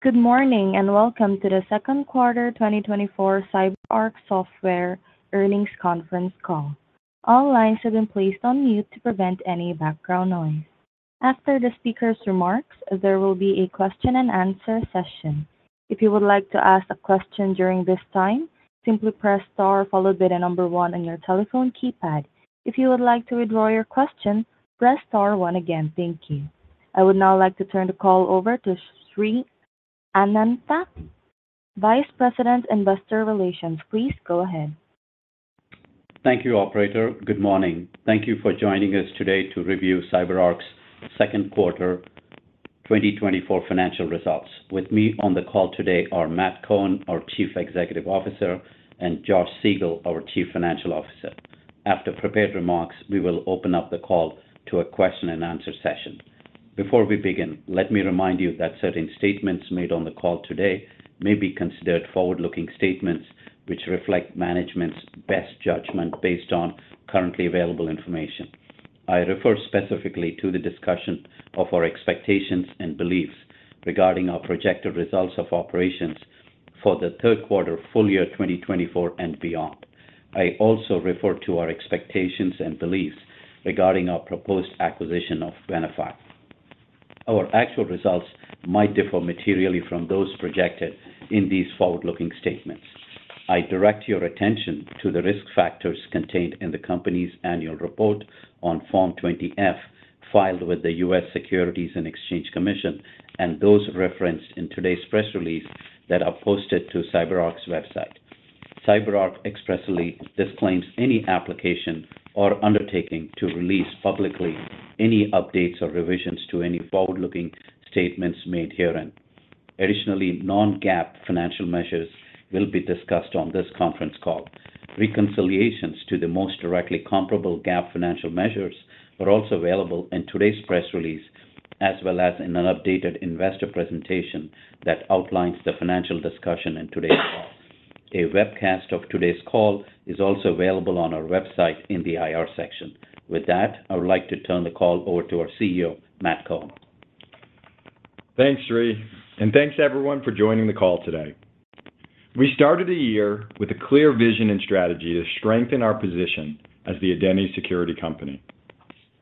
Good morning, and welcome to the Second Quarter 2024 CyberArk Software Earnings Conference Call. All lines have been placed on mute to prevent any background noise. After the speaker's remarks, there will be a question-and-answer session. If you would like to ask a question during this time, simply press Star followed by the number 1 on your telephone keypad. If you would like to withdraw your question, press star 1 again. Thank you. I would now like to turn the call over to Sri Anantha, Vice President, Investor Relations. Please go ahead. Thank you, operator. Good morning. Thank you for joining us today to review CyberArk's Second Quarter 2024 financial results. With me on the call today are Matt Cohen, our Chief Executive Officer, and Josh Siegel, our Chief Financial Officer. After prepared remarks, we will open up the call to a question-and-answer session. Before we begin, let me remind you that certain statements made on the call today may be considered forward-looking statements, which reflect management's best judgment based on currently available information. I refer specifically to the discussion of our expectations and beliefs regarding our projected results of operations for the third quarter and full year 2024 and beyond. I also refer to our expectations and beliefs regarding our proposed acquisition of Venafi. Our actual results might differ materially from those projected in these forward-looking statements. I direct your attention to the risk factors contained in the company's annual report on Form 20-F, filed with the U.S. Securities and Exchange Commission, and those referenced in today's press release that are posted to CyberArk website. CyberArk expressly disclaims any application or undertaking to release publicly any updates or revisions to any forward-looking statements made herein. Additionally, non-GAAP financial measures will be discussed on this conference call. Reconciliations to the most directly comparable GAAP financial measures are also available in today's press release, as well as in an updated investor presentation that outlines the financial discussion in today's call. A webcast of today's call is also available on our website in the IR section. With that, I would like to turn the call over to our CEO, Matt Cohen. Thanks, Sri, and thanks, everyone, for joining the call today. We started the year with a clear vision and strategy to strengthen our position as the identity security company.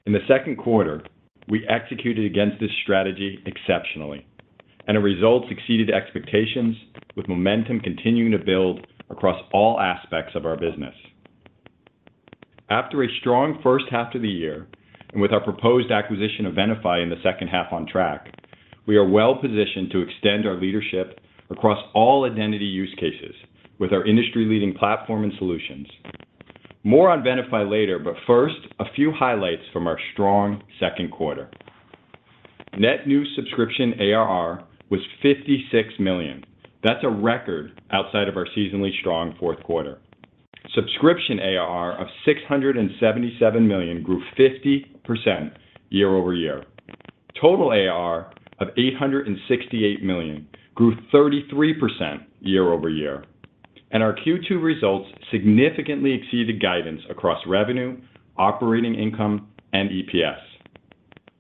In the second quarter, we executed against this strategy exceptionally, and the results exceeded expectations, with momentum continuing to build across all aspects of our business. After a strong first half of the year, and with our proposed acquisition of Venafi in the second half on track, we are well-positioned to extend our leadership across all identity use cases with our industry-leading platform and solutions. More on Venafi later, but first, a few highlights from our strong second quarter. Net new subscription ARR was $56 million. That's a record outside of our seasonally strong fourth quarter. Subscription ARR of $677 million grew 50% year-over-year. Total ARR of $868 million grew 33% year-over-year, and our Q2 results significantly exceeded guidance across revenue, operating income, and EPS.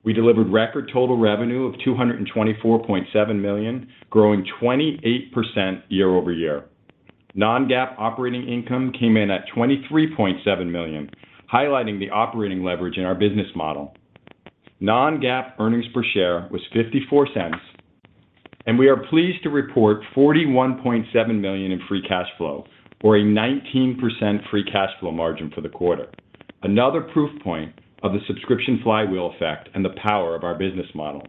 We delivered record total revenue of $224.7 million, growing 28% year-over-year. Non-GAAP operating income came in at $23.7 million, highlighting the operating leverage in our business model. Non-GAAP earnings per share was $0.54, and we are pleased to report $41.7 million in free cash flow, or a 19% free cash flow margin for the quarter. Another proof point of the subscription flywheel effect and the power of our business model.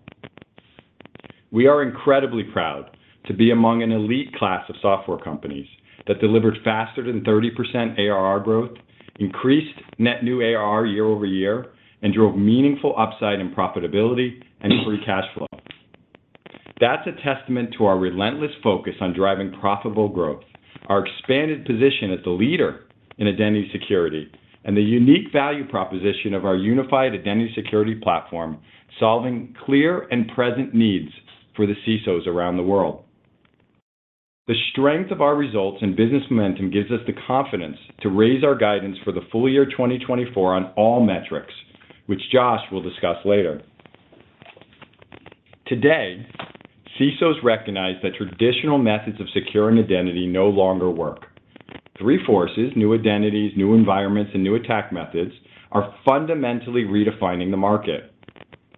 We are incredibly proud to be among an elite class of software companies that delivered faster than 30% ARR growth, increased net new ARR year-over-year, and drove meaningful upside in profitability and free cash flow. That's a testament to our relentless focus on driving profitable growth, our expanded position as the leader in identity security, and the unique value proposition of our unified identity security platform, solving clear and present needs for the CISOs around the world. The strength of our results and business momentum gives us the confidence to raise our guidance for the full year 2024 on all metrics, which Josh will discuss later. Today, CISOs recognize that traditional methods of securing identity no longer work. Three forces, new identities, new environments, and new attack methods, are fundamentally redefining the market.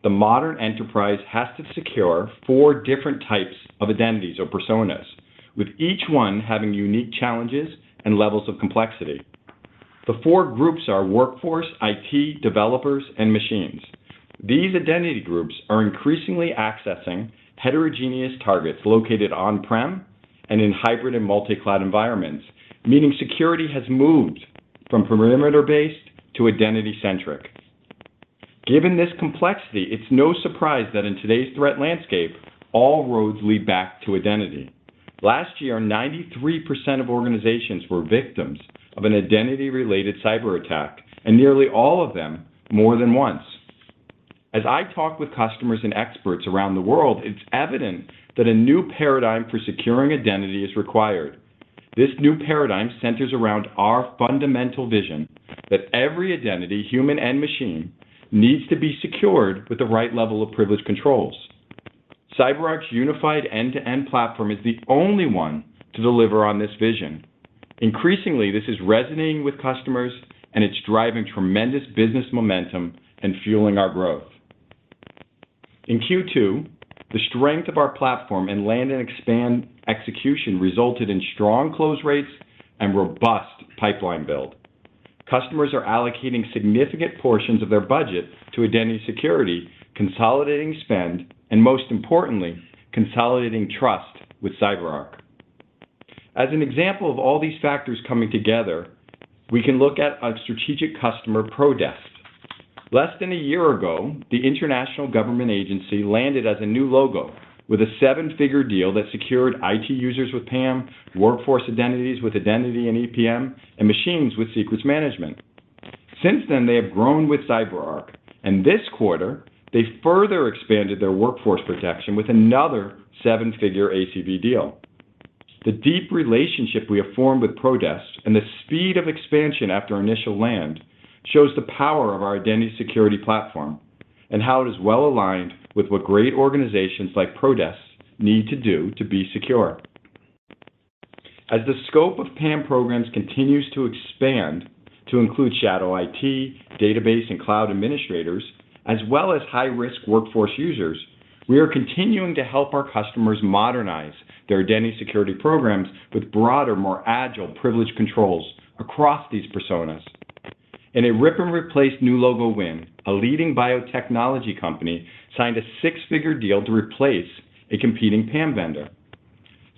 The modern enterprise has to secure four different types of identities or personas, with each one having unique challenges and levels of complexity. The four groups are workforce, IT, developers, and machines. These identity groups are increasingly accessing heterogeneous targets located on-prem and in hybrid and multi-cloud environments, meaning security has moved from perimeter-based to identity-centric. Given this complexity, it's no surprise that in today's threat landscape, all roads lead back to identity. Last year, 93% of organizations were victims of an identity-related cyberattack, and nearly all of them more than once. As I talk with customers and experts around the world, it's evident that a new paradigm for securing identity is required. This new paradigm centers around our fundamental vision that every identity, human and machine, needs to be secured with the right level of privilege controls. CyberArk's unified end-to-end platform is the only one to deliver on this vision. Increasingly, this is resonating with customers, and it's driving tremendous business momentum and fueling our growth. In Q2, the strength of our platform in land and expand execution resulted in strong close rates and robust pipeline build. Customers are allocating significant portions of their budget to identity security, consolidating spend, and most importantly, consolidating trust with CyberArk. As an example of all these factors coming together, we can look at a strategic customer, Prodest. Less than a year ago, the international government agency landed as a new logo with a seven-figure deal that secured IT users with PAM, workforce identities with Identity and EPM, and machines with secrets management. Since then, they have grown with CyberArk, and this quarter, they further expanded their workforce protection with another seven-figure ACV deal. The deep relationship we have formed with Prodest and the speed of expansion after initial land shows the power of our identity security platform and how it is well aligned with what great organizations like Prodest need to do to be secure. As the scope of PAM programs continues to expand to include shadow IT, database and cloud administrators, as well as high-risk workforce users, we are continuing to help our customers modernize their identity security programs with broader, more agile privilege controls across these personas. In a rip and replace new logo win, a leading biotechnology company signed a six-figure deal to replace a competing PAM vendor.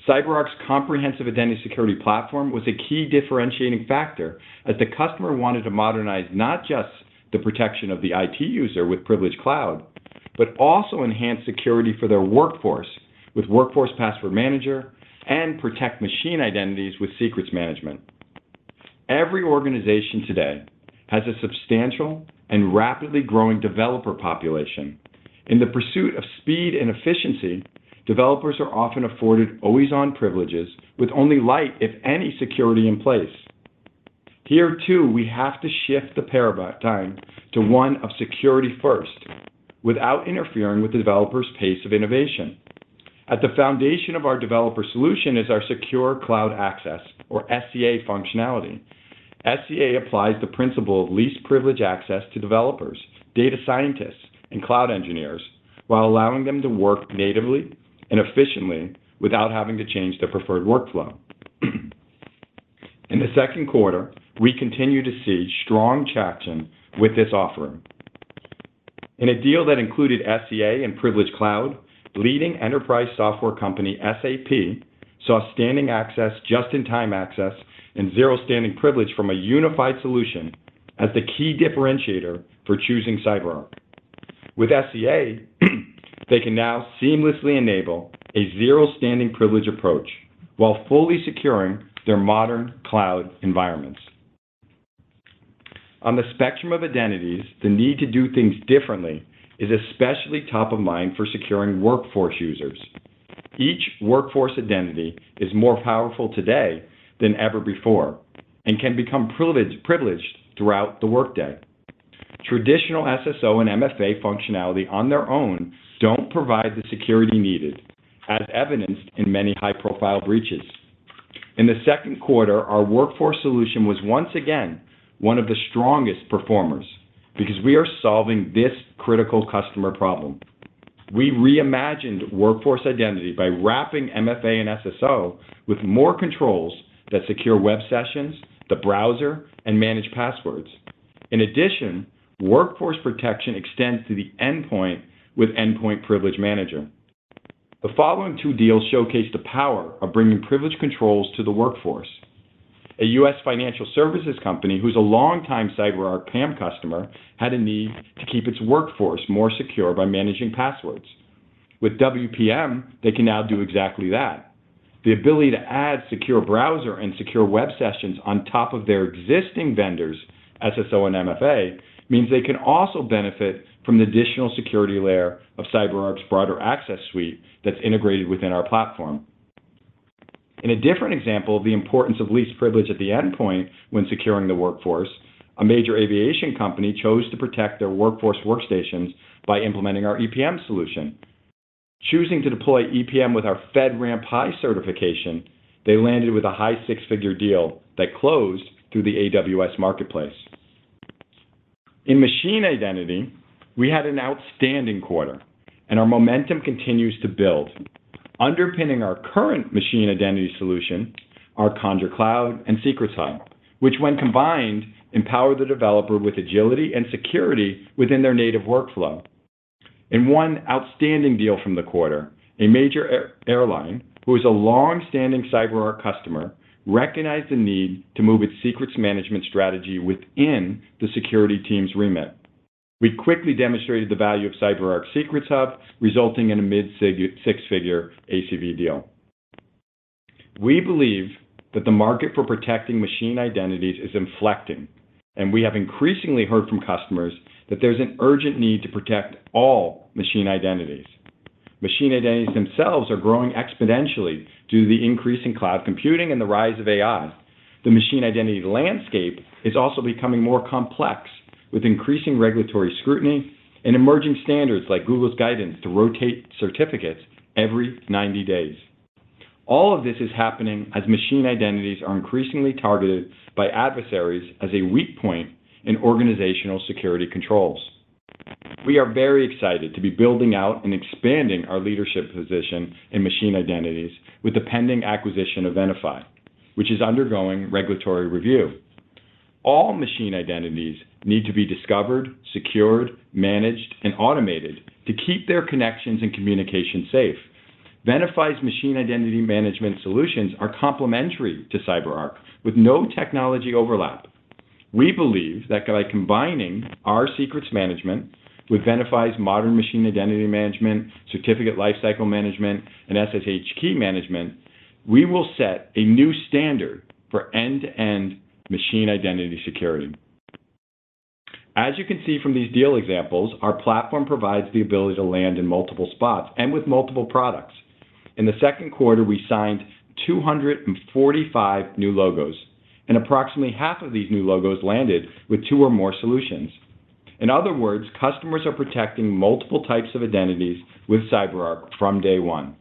CyberArk's comprehensive identity security platform was a key differentiating factor, as the customer wanted to modernize not just the protection of the IT user with Privilege Cloud, but also enhance security for their workforce with Workforce Password Manager and protect machine identities with Secrets Management. Every organization today has a substantial and rapidly growing developer population. In the pursuit of speed and efficiency, developers are often afforded always-on privileges with only light, if any, security in place. Here, too, we have to shift the paradigm to one of security first without interfering with the developer's pace of innovation. At the foundation of our developer solution is our Secure Cloud Access or SCA functionality. SCA applies the principle of least privilege access to developers, data scientists, and cloud engineers while allowing them to work natively and efficiently without having to change their preferred workflow. In the second quarter, we continued to see strong traction with this offering. In a deal that included SCA and Privilege Cloud, leading enterprise software company SAP saw standing access, just-in-time access, and zero-standing privilege from a unified solution as the key differentiator for choosing CyberArk. With SCA, they can now seamlessly enable a zero-standing privilege approach while fully securing their modern cloud environments. On the spectrum of identities, the need to do things differently is especially top of mind for securing workforce users. Each workforce identity is more powerful today than ever before and can become privileged throughout the workday. Traditional SSO and MFA functionality on their own don't provide the security needed, as evidenced in many high-profile breaches. In the second quarter, our workforce solution was once again one of the strongest performers because we are solving this critical customer problem. We reimagined workforce identity by wrapping MFA and SSO with more controls that Secure Web Sessions, the Secure Browser, and manage passwords. In addition, workforce protection extends to the endpoint with Endpoint Privilege Manager. The following two deals showcase the power of bringing privilege controls to the workforce. A U.S. financial services company, who's a longtime CyberArk PAM customer, had a need to keep its workforce more secure by managing passwords. With WPM, they can now do exactly that. The ability to add Secure Browser and Secure Web Sessions on top of their existing vendors, SSO and MFA, means they can also benefit from the additional security layer of CyberArk's broader access suite that's integrated within our platform. In a different example of the importance of least privilege at the endpoint when securing the workforce, a major aviation company chose to protect their workforce workstations by implementing our EPM solution. Choosing to deploy EPM with our FedRAMP High certification, they landed with a high six-figure deal that closed through the AWS Marketplace. In machine identity, we had an outstanding quarter, and our momentum continues to build. Underpinning our current machine identity solution, are Conjur Cloud and Secrets Hub, which when combined, empower the developer with agility and security within their native workflow. In one outstanding deal from the quarter, a major airline, who is a long-standing CyberArk customer, recognized the need to move its secrets management strategy within the security team's remit. We quickly demonstrated the value of CyberArk Secrets Hub, resulting in a mid-six-figure ACV deal. We believe that the market for protecting machine identities is inflecting, and we have increasingly heard from customers that there's an urgent need to protect all machine identities.... Machine identities themselves are growing exponentially due to the increase in cloud computing and the rise of AI. The machine identity landscape is also becoming more complex, with increasing regulatory scrutiny and emerging standards like Google's guidance to rotate certificates every 90 days. All of this is happening as machine identities are increasingly targeted by adversaries as a weak point in organizational security controls. We are very excited to be building out and expanding our leadership position in machine identities with the pending acquisition of Venafi, which is undergoing regulatory review. All machine identities need to be discovered, secured, managed, and automated to keep their connections and communication safe. Venafi's machine identity management solutions are complementary to CyberArk, with no technology overlap. We believe that by combining our secrets management with Venafi's modern machine identity management, certificate lifecycle management, and SSH key management, we will set a new standard for end-to-end machine identity security. As you can see from these deal examples, our platform provides the ability to land in multiple spots and with multiple products. In the second quarter, we signed 245 new logos, and approximately half of these new logos landed with two or more solutions. In other words, customers are protecting multiple types of identities with CyberArk from day one.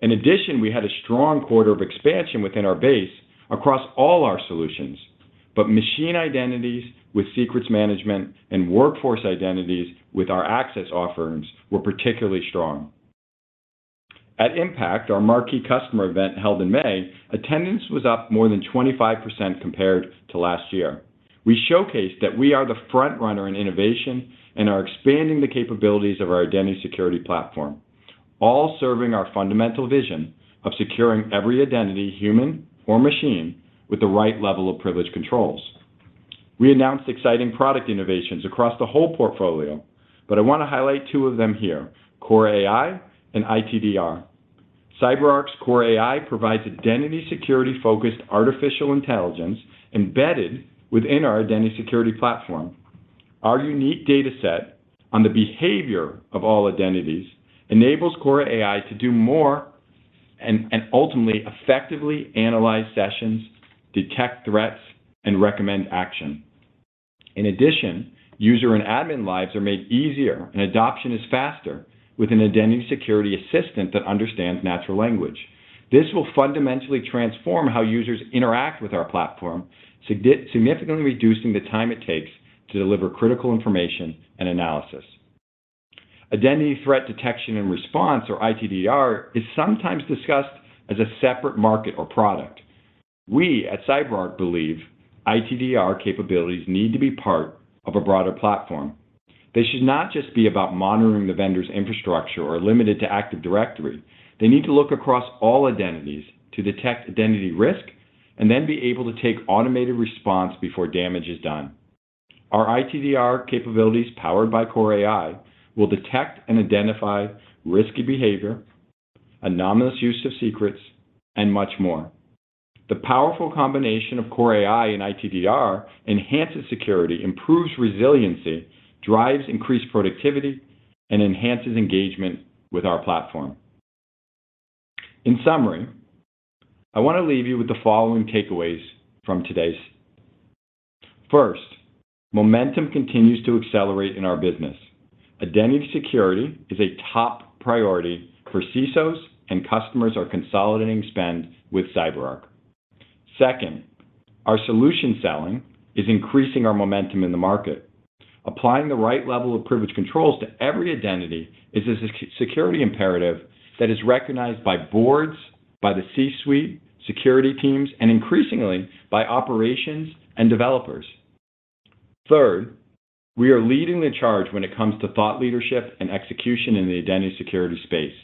In addition, we had a strong quarter of expansion within our base across all our solutions, but machine identities with secrets management and workforce identities with our access offerings were particularly strong. At Impact, our marquee customer event held in May, attendance was up more than 25% compared to last year. We showcased that we are the front runner in innovation and are expanding the capabilities of our identity security platform, all serving our fundamental vision of securing every identity, human or machine, with the right level of privilege controls. We announced exciting product innovations across the whole portfolio, but I want to highlight two of them here, CORA AI and ITDR. CyberArk's CORA AI provides identity security-focused artificial intelligence embedded within our identity security platform. Our unique data set on the behavior of all identities enables CORA AI to do more and ultimately effectively analyze sessions, detect threats, and recommend action. In addition, user and admin lives are made easier and adoption is faster with an identity security assistant that understands natural language. This will fundamentally transform how users interact with our platform, significantly reducing the time it takes to deliver critical information and analysis. Identity Threat Detection and Response, or ITDR, is sometimes discussed as a separate market or product. We at CyberArk believe ITDR capabilities need to be part of a broader platform. They should not just be about monitoring the vendor's infrastructure or limited to Active Directory. They need to look across all identities to detect identity risk and then be able to take automated response before damage is done. Our ITDR capabilities, powered by CORA AI, will detect and identify risky behavior, anomalous use of secrets, and much more. The powerful combination of CORA AI and ITDR enhances security, improves resiliency, drives increased productivity, and enhances engagement with our platform. In summary, I want to leave you with the following takeaways from today's. First, momentum continues to accelerate in our business. Identity security is a top priority for CISOs, and customers are consolidating spend with CyberArk. Second, our solution selling is increasing our momentum in the market. Applying the right level of privilege controls to every identity is a security imperative that is recognized by boards, by the C-suite, security teams, and increasingly by operations and developers. Third, we are leading the charge when it comes to thought leadership and execution in the identity security space.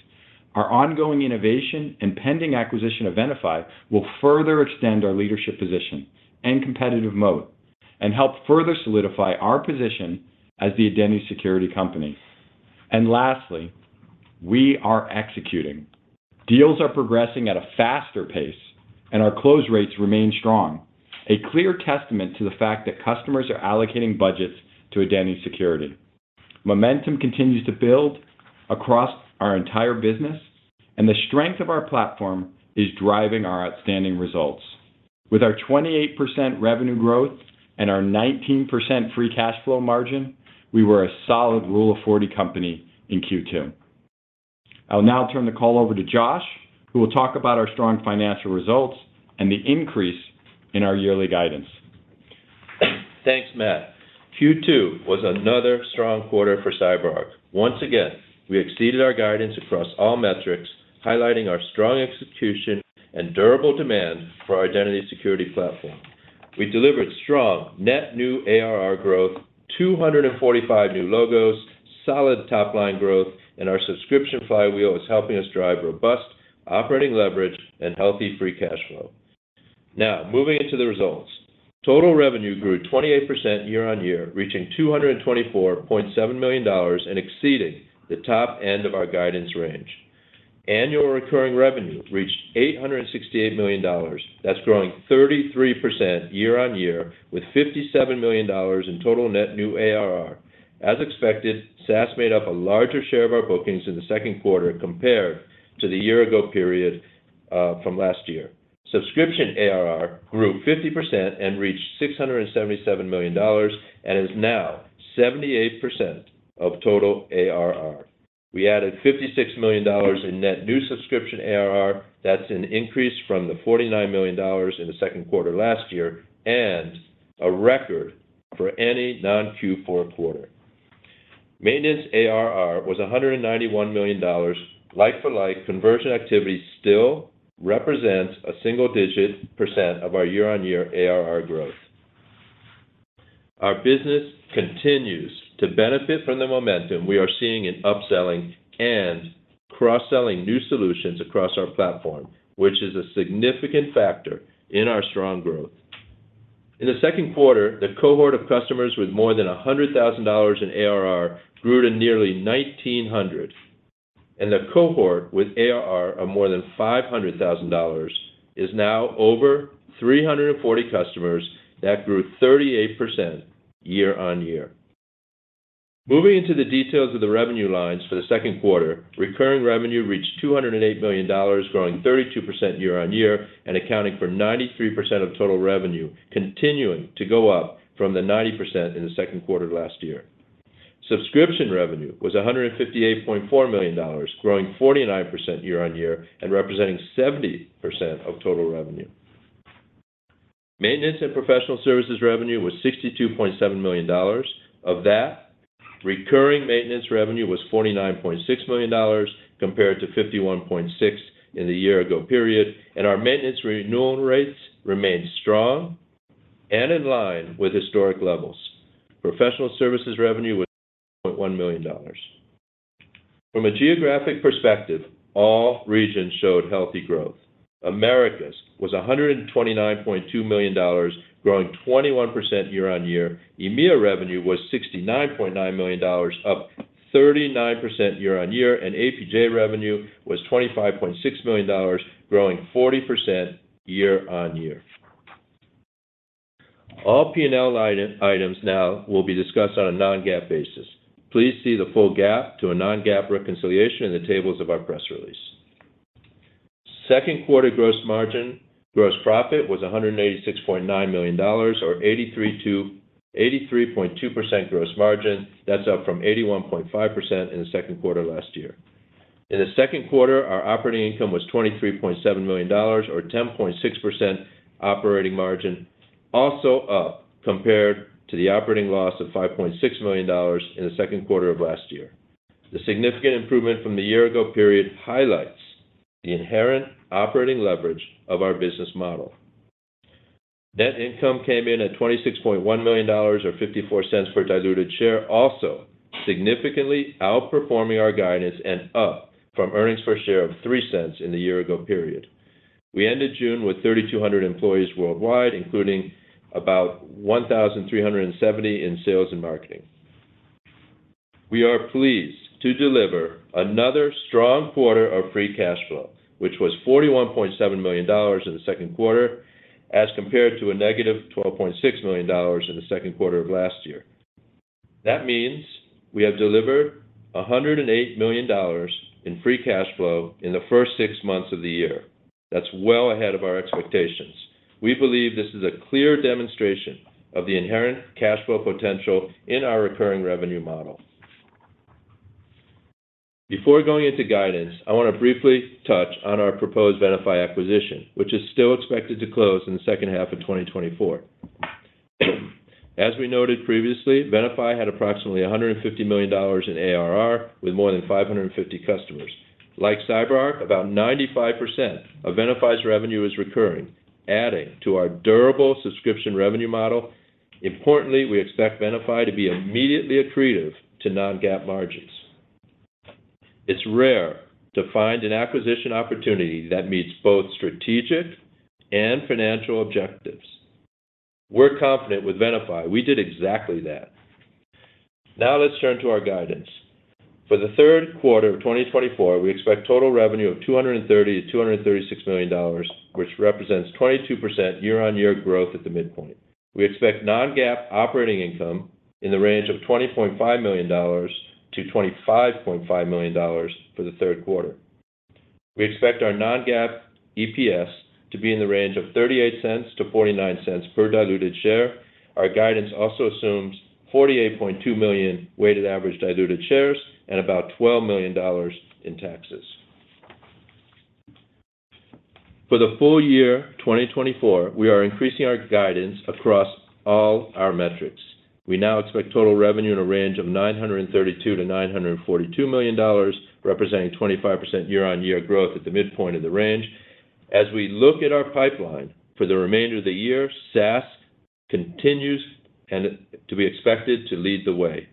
Our ongoing innovation and pending acquisition of Venafi will further extend our leadership position and competitive mode and help further solidify our position as the identity security company. And lastly, we are executing. Deals are progressing at a faster pace, and our close rates remain strong. A clear testament to the fact that customers are allocating budgets to identity security. Momentum continues to build across our entire business, and the strength of our platform is driving our outstanding results. With our 28% revenue growth and our 19% free cash flow margin, we were a solid Rule of 40 company in Q2. I'll now turn the call over to Josh, who will talk about our strong financial results and the increase in our yearly guidance. Thanks, Matt. Q2 was another strong quarter for CyberArk. Once again, we exceeded our guidance across all metrics, highlighting our strong execution and durable demand for our identity security platform. We delivered strong net new ARR growth, 245 new logos, solid top-line growth, and our subscription flywheel is helping us drive robust operating leverage and healthy free cash flow. Now, moving into the results. Total revenue grew 28% year-over-year, reaching $224.7 million and exceeding the top end of our guidance range. Annual recurring revenue reached $868 million. That's growing 33% year-over-year, with $57 million in total net new ARR. As expected, SaaS made up a larger share of our bookings in the second quarter compared to the year ago period, from last year. Subscription ARR grew 50% and reached $677 million, and is now 78% of total ARR. We added $56 million in net new subscription ARR. That's an increase from the $49 million in the second quarter last year, and a record for any non-Q4 quarter. Maintenance ARR was $191 million. Like-for-like, conversion activity still represents a single-digit % of our year-on-year ARR growth. Our business continues to benefit from the momentum we are seeing in upselling and cross-selling new solutions across our platform, which is a significant factor in our strong growth. In the second quarter, the cohort of customers with more than $100,000 in ARR grew to nearly 1,900, and the cohort with ARR of more than $500,000 is now over 340 customers. That grew 38% year-on-year. Moving into the details of the revenue lines for the second quarter, recurring revenue reached $208 million, growing 32% year-on-year and accounting for 93% of total revenue, continuing to go up from the 90% in the second quarter last year. Subscription revenue was $158.4 million, growing 49% year-on-year and representing 70% of total revenue. Maintenance and professional services revenue was $62.7 million. Of that, recurring maintenance revenue was $49.6 million, compared to $51.6 million in the year ago period, and our maintenance renewal rates remained strong and in line with historic levels. Professional services revenue was $0.1 million. From a geographic perspective, all regions showed healthy growth. Americas was $129.2 million, growing 21% year-on-year. EMEA revenue was $69.9 million, up 39% year-on-year, and APJ revenue was $25.6 million, growing 40% year-on-year. All P&L items now will be discussed on a non-GAAP basis. Please see the full GAAP to a non-GAAP reconciliation in the tables of our press release. Second quarter gross profit was $186.9 million, or 83%-83.2% gross margin. That's up from 81.5% in the second quarter last year. In the second quarter, our operating income was $23.7 million or 10.6% operating margin, also up compared to the operating loss of $5.6 million in the second quarter of last year. The significant improvement from the year ago period highlights the inherent operating leverage of our business model. Net income came in at $26.1 million, or $0.54 per diluted share, also significantly outperforming our guidance and up from earnings per share of $0.03 in the year ago period. We ended June with 3,200 employees worldwide, including about 1,370 in sales and marketing. We are pleased to deliver another strong quarter of free cash flow, which was $41.7 million in the second quarter, as compared to -$12.6 million in the second quarter of last year. That means we have delivered $108 million in free cash flow in the first six months of the year. That's well ahead of our expectations. We believe this is a clear demonstration of the inherent cash flow potential in our recurring revenue model. Before going into guidance, I want to briefly touch on our proposed Venafi acquisition, which is still expected to close in the second half of 2024. As we noted previously, Venafi had approximately $150 million in ARR with more than 550 customers. Like CyberArk, about 95% of Venafi's revenue is recurring, adding to our durable subscription revenue model. Importantly, we expect Venafi to be immediately accretive to non-GAAP margins. It's rare to find an acquisition opportunity that meets both strategic and financial objectives. We're confident with Venafi, we did exactly that. Now, let's turn to our guidance. For the third quarter of 2024, we expect total revenue of $230 million-$236 million, which represents 22% year-on-year growth at the midpoint. We expect non-GAAP operating income in the range of $20.5 million-$25.5 million for the third quarter. We expect our non-GAAP EPS to be in the range of $0.38-$0.49 per diluted share. Our guidance also assumes 48.2 million weighted average diluted shares and about $12 million in taxes. For the full year 2024, we are increasing our guidance across all our metrics. We now expect total revenue in a range of $932 million-$942 million, representing 25% year-on-year growth at the midpoint of the range. As we look at our pipeline for the remainder of the year, SaaS continues to be expected to lead the way.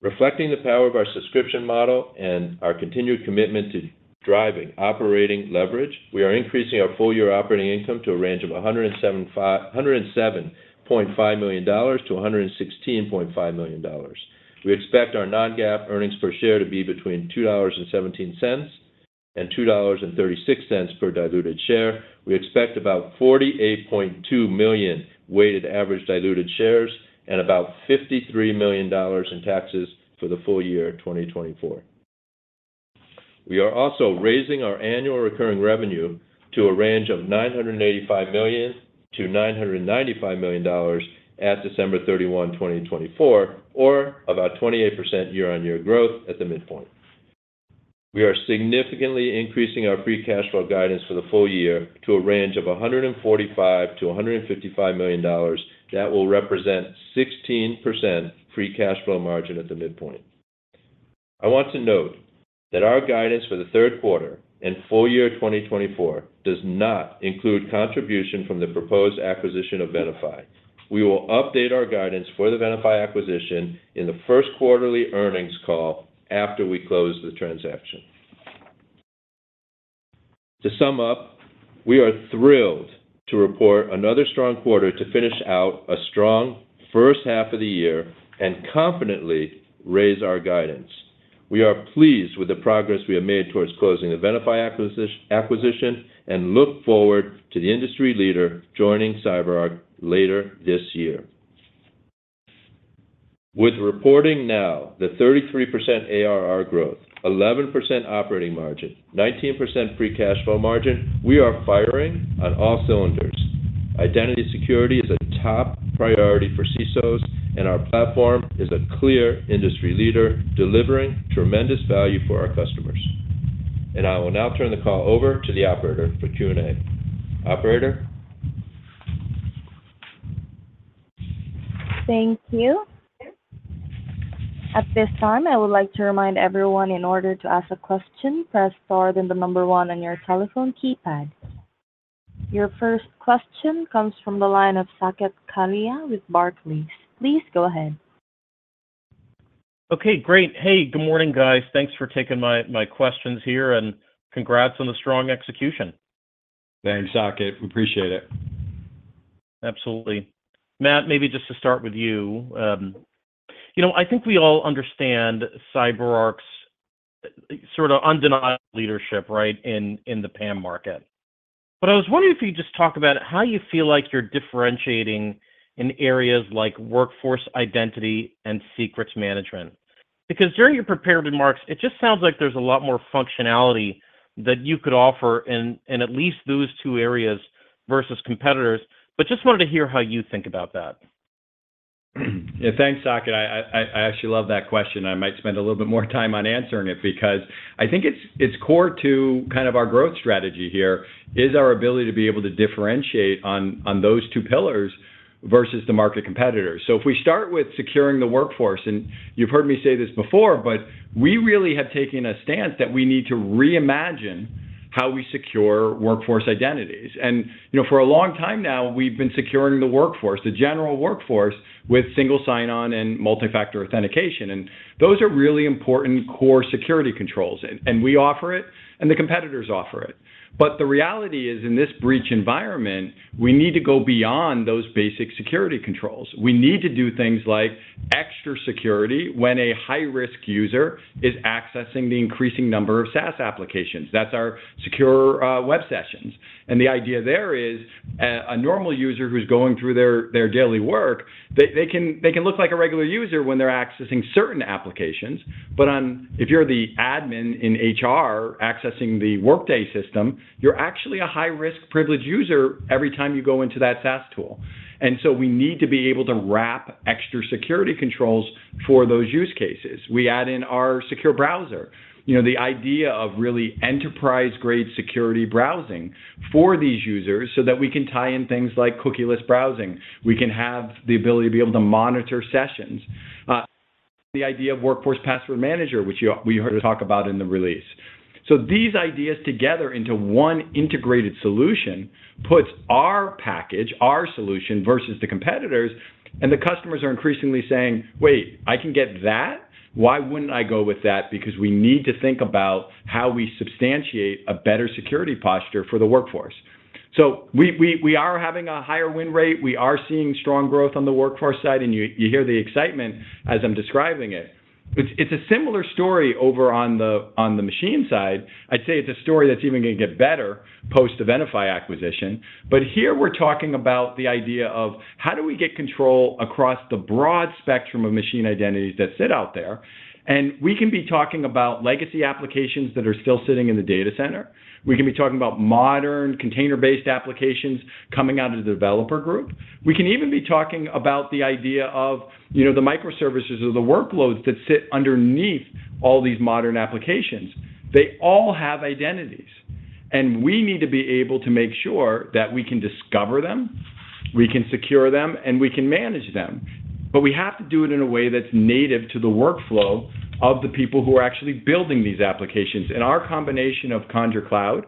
Reflecting the power of our subscription model and our continued commitment to driving operating leverage, we are increasing our full-year operating income to a range of $107.5 million-$116.5 million. We expect our non-GAAP earnings per share to be between $2.17 and $2.36 per diluted share. We expect about 48.2 million weighted average diluted shares and about $53 million in taxes for the full year of 2024. We are also raising our annual recurring revenue to a range of $985 million-$995 million at December 31, 2024, or about 28% year-on-year growth at the midpoint. We are significantly increasing our free cash flow guidance for the full year to a range of $145 million-$155 million. That will represent 16% free cash flow margin at the midpoint. I want to note that our guidance for the third quarter and full year 2024 does not include contribution from the proposed acquisition of Venafi. We will update our guidance for the Venafi acquisition in the first quarterly earnings call after we close the transaction. To sum up, we are thrilled to report another strong quarter to finish out a strong first half of the year and confidently raise our guidance. We are pleased with the progress we have made towards closing the Venafi acquisition, and look forward to the industry leader joining CyberArk later this year. With reporting now the 33% ARR growth, 11% operating margin, 19% free cash flow margin, we are firing on all cylinders. Identity security is a top priority for CISOs, and our platform is a clear industry leader, delivering tremendous value for our customers. I will now turn the call over to the operator for Q&A. Operator? Thank you. At this time, I would like to remind everyone in order to ask a question, press star, then the number one on your telephone keypad. Your first question comes from the line of Saket Kalia with Barclays. Please go ahead. Okay, great. Hey, good morning, guys. Thanks for taking my, my questions here, and congrats on the strong execution. Thanks, Saket. We appreciate it. Absolutely. Matt, maybe just to start with you, you know, I think we all understand CyberArk's sort of undeniable leadership, right, in, in the PAM market. But I was wondering if you'd just talk about how you feel like you're differentiating in areas like workforce identity and secrets management. Because during your prepared remarks, it just sounds like there's a lot more functionality that you could offer in, in at least those two areas versus competitors. But just wanted to hear how you think about that. Yeah. Thanks, Saket. I actually love that question. I might spend a little bit more time on answering it because I think it's core to kind of our growth strategy here, is our ability to be able to differentiate on those two pillars versus the market competitors. So if we start with securing the workforce, and you've heard me say this before, but we really have taken a stance that we need to reimagine how we secure workforce identities. You know, for a long time now, we've been securing the workforce, the general workforce, with single sign-on and multi-factor authentication, and those are really important core security controls, and we offer it, and the competitors offer it. But the reality is, in this breach environment, we need to go beyond those basic security controls. We need to do things like extra security when a high-risk user is accessing the increasing number of SaaS applications. That's our Secure Web Sessions. And the idea there is, a normal user who's going through their daily work, they can look like a regular user when they're accessing certain applications, but if you're the admin in HR accessing the Workday system, you're actually a high-risk privileged user every time you go into that SaaS tool. And so we need to be able to wrap extra security controls for those use cases. We add in our Secure Browser. You know, the idea of really enterprise-grade security browsing for these users so that we can tie in things like cookieless browsing. We can have the ability to be able to monitor sessions. The idea of Workforce Password Manager, which we heard talk about in the release. So these ideas together into one integrated solution puts our package, our solution versus the competitors, and the customers are increasingly saying, "Wait, I can get that? Why wouldn't I go with that?" Because we need to think about how we substantiate a better security posture for the workforce. So we are having a higher win rate, we are seeing strong growth on the workforce side, and you hear the excitement as I'm describing it. It's a similar story over on the machine side. I'd say it's a story that's even gonna get better post the Venafi acquisition. But here we're talking about the idea of: How do we get control across the broad spectrum of machine identities that sit out there? We can be talking about legacy applications that are still sitting in the data center. We can be talking about modern container-based applications coming out of the developer group. We can even be talking about the idea of, you know, the microservices or the workloads that sit underneath all these modern applications. They all have identities, and we need to be able to make sure that we can discover them, we can secure them, and we can manage them. But we have to do it in a way that's native to the workflow of the people who are actually building these applications. And our combination of Conjur Cloud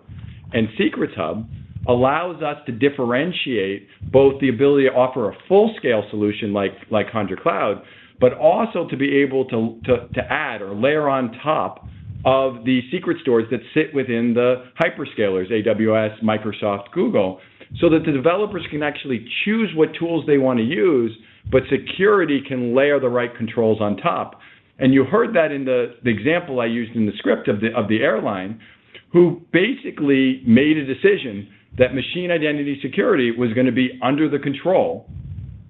and Secrets Hub allows us to differentiate both the ability to offer a full-scale solution like Conjur Cloud, but also to be able to add or layer on top of the secret stores that sit within the hyperscalers, AWS, Microsoft, Google, so that the developers can actually choose what tools they wanna use, but security can layer the right controls on top. And you heard that in the example I used in the script of the airline, who basically made a decision that machine identity security was gonna be under the control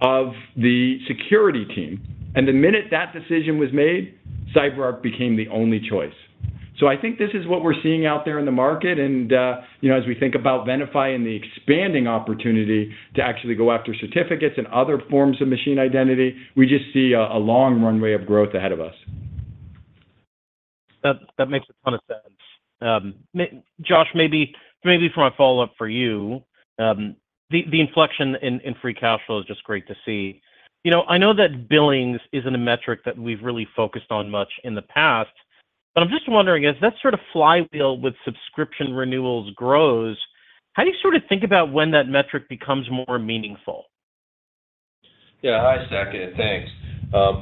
of the security team. And the minute that decision was made, CyberArk became the only choice. So I think this is what we're seeing out there in the market, and, you know, as we think about Venafi and the expanding opportunity to actually go after certificates and other forms of machine identity, we just see a long runway of growth ahead of us. That makes a ton of sense. Josh, maybe for my follow-up for you, the inflection in free cash flow is just great to see. You know, I know that billings isn't a metric that we've really focused on much in the past, but I'm just wondering, as that sort of flywheel with subscription renewals grows, how do you sort of think about when that metric becomes more meaningful? Yeah. Hi, Saket. Thanks.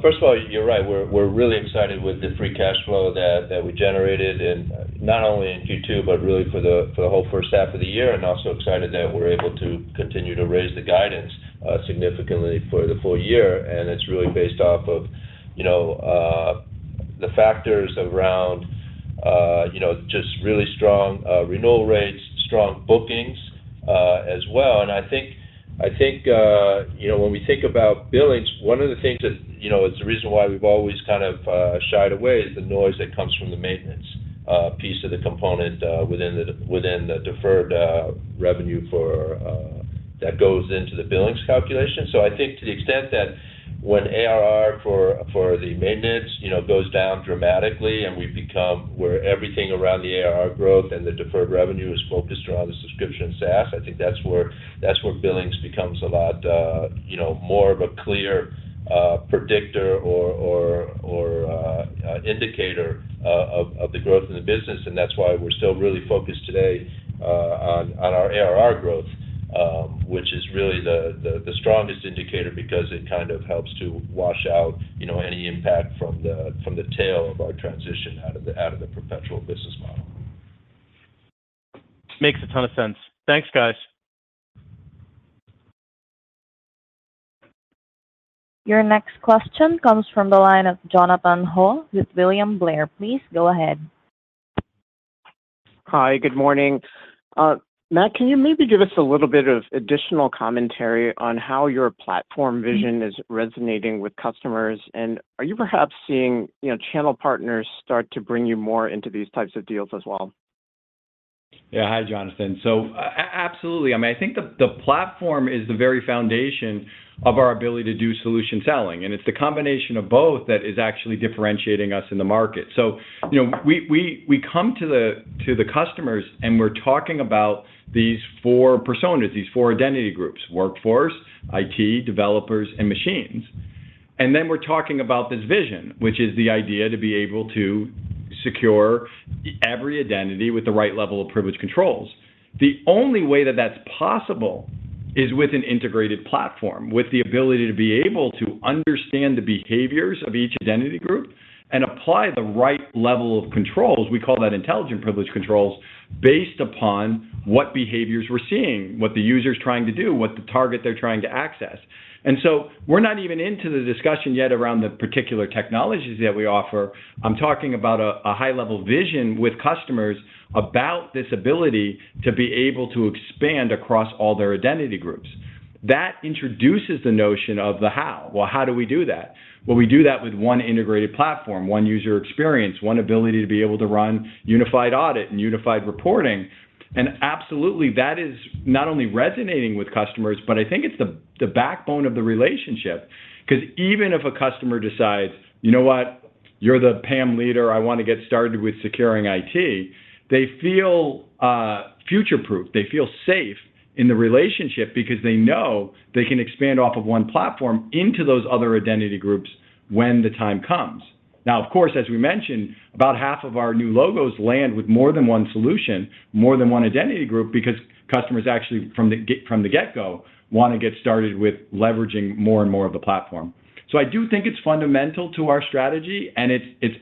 First of all, you're right. We're really excited with the free cash flow that we generated in not only in Q2, but really for the whole first half of the year, and also excited that we're able to continue to raise the guidance significantly for the full year. And it's really based off of, you know, you know, just really strong renewal rates, strong bookings, as well. And I think, you know, when we think about billings, one of the things that, you know, is the reason why we've always kind of shied away is the noise that comes from the maintenance piece of the component within the deferred revenue for that goes into the billings calculation. So I think to the extent that when ARR for the maintenance, you know, goes down dramatically, and we've become where everything around the ARR growth and the deferred revenue is focused around the subscription SaaS, I think that's where billings becomes a lot, you know, more of a clear predictor or indicator of the growth in the business. And that's why we're still really focused today on our ARR growth, which is really the strongest indicator, because it kind of helps to wash out, you know, any impact from the tail of our transition out of the perpetual business model. Makes a ton of sense. Thanks, guys. Your next question comes from the line of Jonathan Ho with William Blair. Please go ahead. Hi, good morning. Matt, can you maybe give us a little bit of additional commentary on how your platform vision is resonating with customers? And are you perhaps seeing, you know, channel partners start to bring you more into these types of deals as well? Yeah. Hi, Jonathan. So absolutely. I mean, I think the platform is the very foundation of our ability to do solution selling, and it's the combination of both that is actually differentiating us in the market. So, you know, we come to the customers, and we're talking about these four personas, these four identity groups: workforce, IT, developers, and machines. And then we're talking about this vision, which is the idea to be able to secure every identity with the right level of privilege controls. The only way that that's possible is with an integrated platform, with the ability to be able to understand the behaviors of each identity group and apply the right level of controls, we call that intelligent privilege controls, based upon what behaviors we're seeing, what the user's trying to do, what the target they're trying to access. We're not even into the discussion yet around the particular technologies that we offer. I'm talking about a high-level vision with customers about this ability to be able to expand across all their identity groups. That introduces the notion of the how. Well, how do we do that? Well, we do that with one integrated platform, one user experience, one ability to be able to run unified audit and unified reporting. And absolutely, that is not only resonating with customers, but I think it's the backbone of the relationship. 'Cause even if a customer decides, "You know what? You're the PAM leader, I wanna get started with securing IT," they feel future-proof. They feel safe in the relationship because they know they can expand off of one platform into those other identity groups when the time comes. Now, of course, as we mentioned, about half of our new logos land with more than one solution, more than one identity group, because customers actually, from the get, from the get-go, wanna get started with leveraging more and more of the platform. So I do think it's fundamental to our strategy, and it's, it's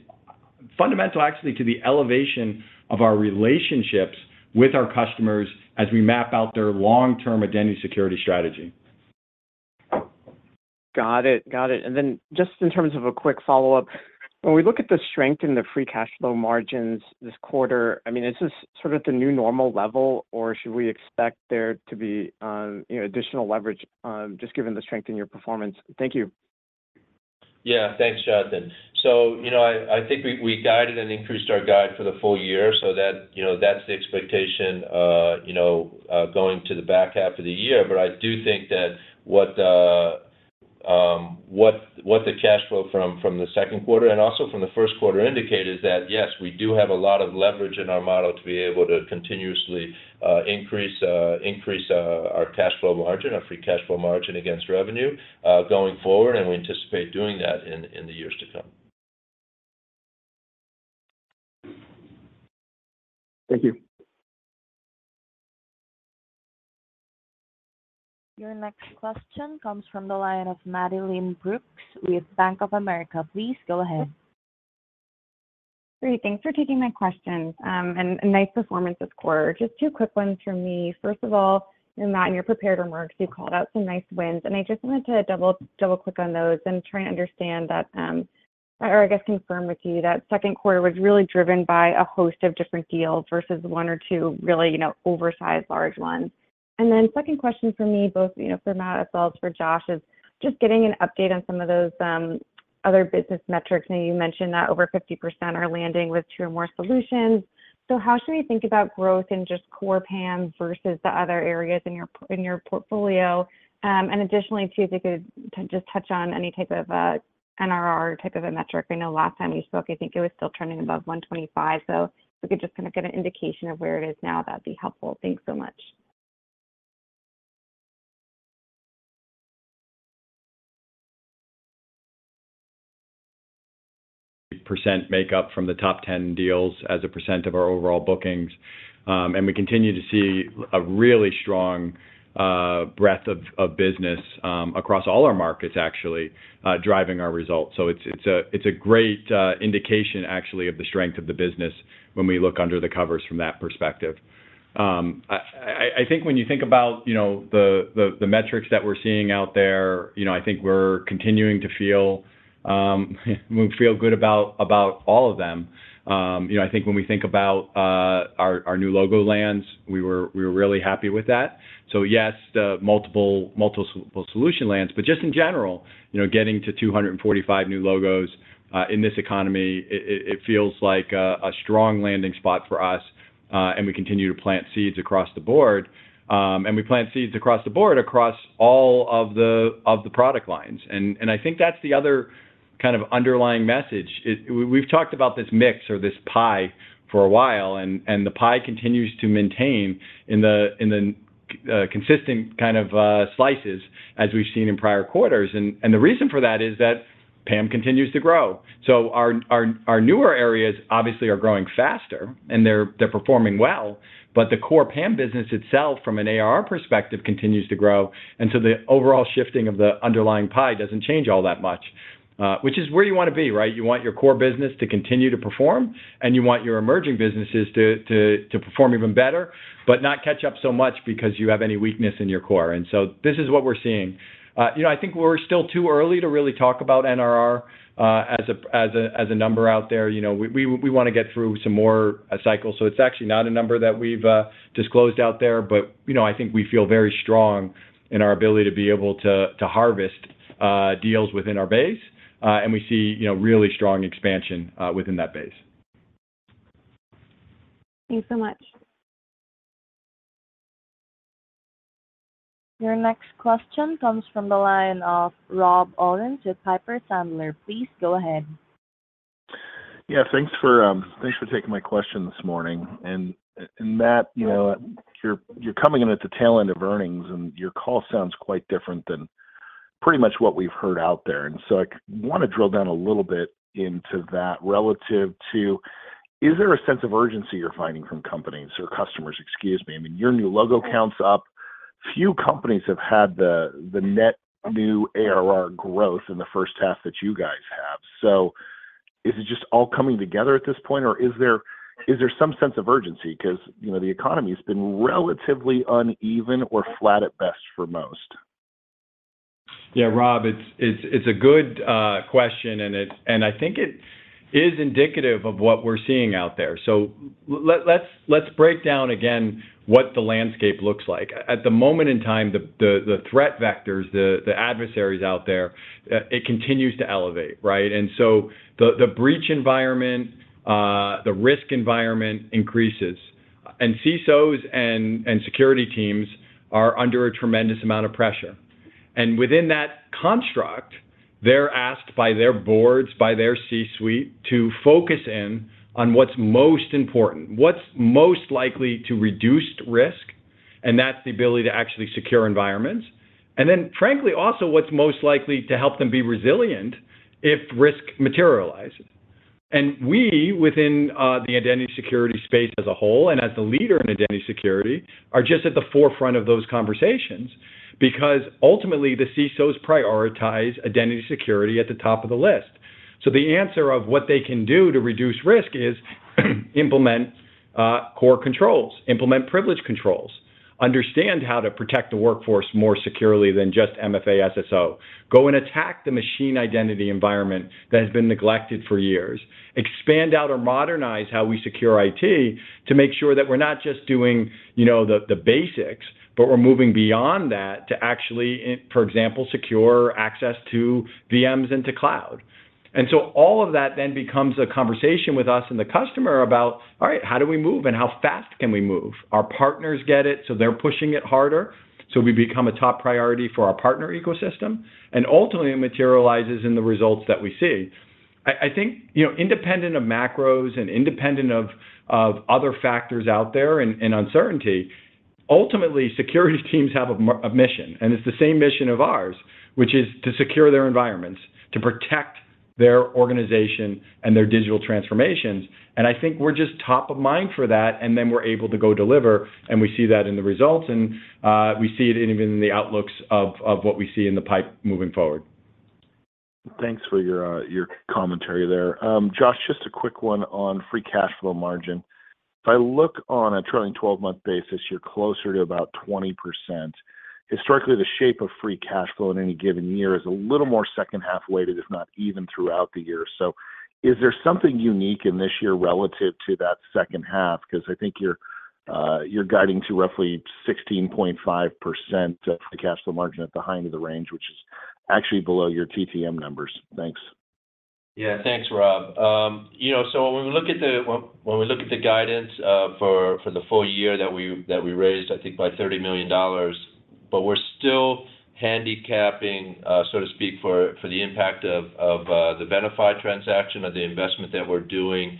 fundamental, actually, to the elevation of our relationships with our customers as we map out their long-term identity security strategy. Got it. Got it. And then just in terms of a quick follow-up, when we look at the strength in the free cash flow margins this quarter, I mean, is this sort of the new normal level, or should we expect there to be, you know, additional leverage, just given the strength in your performance? Thank you. Yeah. Thanks, Jonathan. So, you know, I, I think we, we guided and increased our guide for the full year, so that, you know, that's the expectation, you know, going to the back half of the year. But I do think that what the, what, what the cash flow from, from the second quarter and also from the first quarter indicated, that, yes, we do have a lot of leverage in our model to be able to continuously, increase, increase, our cash flow margin, our free cash flow margin against revenue, going forward, and we anticipate doing that in, in the years to come. Thank you. Your next question comes from the line of Madeline Brooks with Bank of America. Please go ahead.... Great. Thanks for taking my question, and nice performance this quarter. Just two quick ones from me. First of all, in Matt, in your prepared remarks, you called out some nice wins, and I just wanted to double-click on those and try and understand that, or I guess confirm with you that second quarter was really driven by a host of different deals versus one or two really, you know, oversized large ones. And then second question for me, both, you know, for Matt as well as for Josh, is just getting an update on some of those, other business metrics. I know you mentioned that over 50% are landing with two or more solutions. So how should we think about growth in just core PAM versus the other areas in your portfolio? Additionally, too, if you could just touch on any type of NRR type of a metric. I know last time you spoke, I think it was still trending above 125. So if we could just kind of get an indication of where it is now, that'd be helpful. Thanks so much. Percent make up from the top 10 deals as a percent of our overall bookings. And we continue to see a really strong breadth of business across all our markets, actually, driving our results. So it's a great indication, actually, of the strength of the business when we look under the covers from that perspective. I think when you think about, you know, the metrics that we're seeing out there, you know, I think we're continuing to feel, we feel good about all of them. You know, I think when we think about our new logo lands, we were really happy with that. So yes, the multiple, multiple solution lands, but just in general, you know, getting to 245 new logos in this economy, it feels like a strong landing spot for us, and we continue to plant seeds across the board. And we plant seeds across the board across all of the, of the product lines. And I think that's the other kind of underlying message. We've talked about this mix or this pie for a while, and the pie continues to maintain in the, in the consistent kind of slices as we've seen in prior quarters. And the reason for that is that PAM continues to grow. So our newer areas obviously are growing faster, and they're performing well, but the core PAM business itself, from an ARR perspective, continues to grow, and so the overall shifting of the underlying pie doesn't change all that much, which is where you wanna be, right? You want your core business to continue to perform, and you want your emerging businesses to perform even better, but not catch up so much because you have any weakness in your core. And so this is what we're seeing. You know, I think we're still too early to really talk about NRR as a number out there. You know, we wanna get through some more cycles. So it's actually not a number that we've disclosed out there. You know, I think we feel very strong in our ability to be able to harvest deals within our base, and we see, you know, really strong expansion within that base. Thanks so much. Your next question comes from the line of Rob Owens with Piper Sandler. Please go ahead. Yeah, thanks for taking my question this morning. And, Matt, you know, you're coming in at the tail end of earnings, and your call sounds quite different than pretty much what we've heard out there. And so I wanna drill down a little bit into that, relative to: is there a sense of urgency you're finding from companies or customers, excuse me? I mean, your new logo count's up. Few companies have had the net new ARR growth in the first half that you guys have. So is it just all coming together at this point, or is there some sense of urgency? 'Cause, you know, the economy's been relatively uneven or flat at best for most. Yeah, Rob, it's a good question, and I think it is indicative of what we're seeing out there. So let's break down again what the landscape looks like. At the moment in time, the threat vectors, the adversaries out there, it continues to elevate, right? And so the breach environment, the risk environment increases, and CISOs and security teams are under a tremendous amount of pressure. And within that construct, they're asked by their boards, by their C-suite, to focus in on what's most important, what's most likely to reduce risk, and that's the ability to actually secure environments. And then, frankly, also, what's most likely to help them be resilient if risk materializes. We, within the identity security space as a whole, and as the leader in identity security, are just at the forefront of those conversations. Because ultimately, the CISOs prioritize identity security at the top of the list. The answer of what they can do to reduce risk is, implement core controls, implement privilege controls, understand how to protect the workforce more securely than just MFA SSO. Go and attack the machine identity environment that has been neglected for years. Expand out or modernize how we secure IT to make sure that we're not just doing, you know, the basics, but we're moving beyond that to actually, for example, secure access to VMs into cloud. All of that then becomes a conversation with us and the customer about, all right, how do we move, and how fast can we move? Our partners get it, so they're pushing it harder, so we become a top priority for our partner ecosystem, and ultimately it materializes in the results that we see. I think, you know, independent of macros and independent of other factors out there and uncertainty, ultimately, security teams have a mission, and it's the same mission of ours, which is to secure their environments, to protect their organization and their digital transformations. I think we're just top of mind for that, and then we're able to go deliver, and we see that in the results, and we see it even in the outlooks of what we see in the pipe moving forward.... Thanks for your, your commentary there. Josh, just a quick one on free cash flow margin. If I look on a trailing twelve-month basis, you're closer to about 20%. Historically, the shape of free cash flow in any given year is a little more second half weighted, if not even throughout the year. So is there something unique in this year relative to that second half? Because I think you're, you're guiding to roughly 16.5% free cash flow margin at the high end of the range, which is actually below your TTM numbers. Thanks. Yeah, thanks, Rob. You know, so when we look at the guidance for the full year that we raised, I think, by $30 million, but we're still handicapping, so to speak, for the impact of the Venafi transaction or the investment that we're doing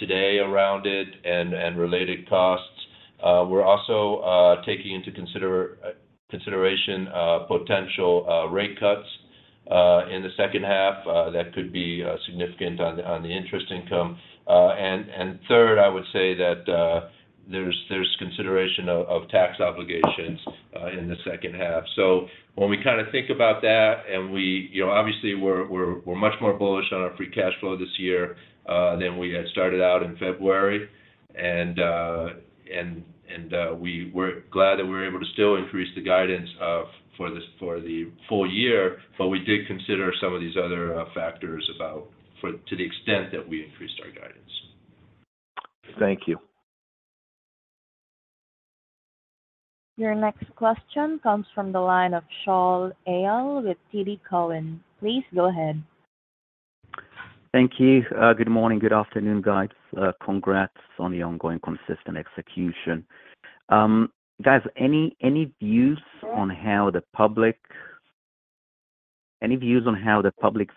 today around it and related costs. We're also taking into consideration potential rate cuts in the second half that could be significant on the interest income. And third, I would say that there's consideration of tax obligations in the second half. So when we kinda think about that and we... You know, obviously, we're much more bullish on our free cash flow this year than we had started out in February. And we were glad that we were able to still increase the guidance for the full year, but we did consider some of these other factors about to the extent that we increased our guidance. Thank you. Your next question comes from the line of Shaul Eyal with TD Cowen. Please go ahead. Thank you. Good morning, good afternoon, guys. Congrats on the ongoing consistent execution. Guys, any views on how the public